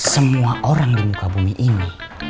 semua orang di muka bumi ini